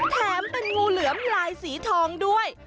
แถมเป็นงูเหลือมลายสีทองด้วย